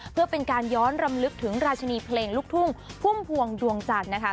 เพื่อเป็นการย้อนรำลึกถึงราชนีเพลงลูกทุ่งพุ่มพวงดวงจันทร์นะคะ